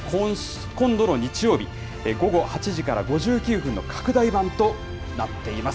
今度の日曜日午後８時から、５９分の拡大版となっています。